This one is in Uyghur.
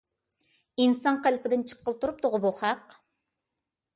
ئىنسان قېلىپىدىن چىققىلى تۇرۇپتىغۇ بۇ خەق.